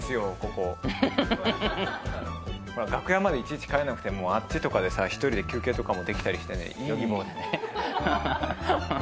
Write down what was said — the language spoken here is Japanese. ここ楽屋までいちいち帰んなくてもあっちとかでさ１人で休憩とかもできたりしてねいいんだよ